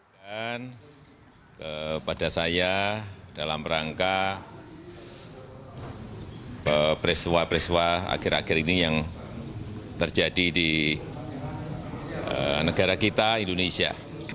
dan kepada saya dalam rangka preswa preswa akhir akhir ini yang terjadi di negara kita indonesia